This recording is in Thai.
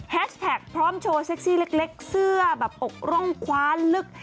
แท็กพร้อมโชว์เซ็กซี่เล็กเสื้อแบบอกร่องคว้าลึก